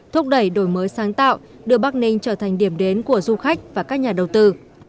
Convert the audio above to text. thúc đẩy đổi mới sáng tạo đưa bắc ninh trở thành điểm đến của du khách và các nhà đầu tư